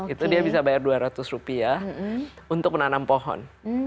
itu dia bisa bayar dua ratus rupiah untuk menanam pohon